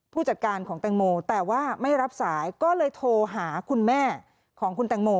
ผู้จัดการของแตงโมแต่ว่าไม่รับสายก็เลยโทรหาคุณแม่ของคุณแตงโม